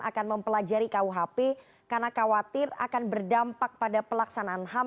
akan mempelajari kuhp karena khawatir akan berdampak pada pelaksanaan ham